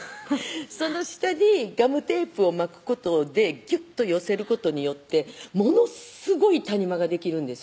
その下にガムテープを巻くことでぎゅっと寄せることによってものすごい谷間ができるんですよ